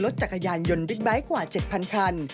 จักรยานยนบิ๊กไบท์กว่า๗๐๐คัน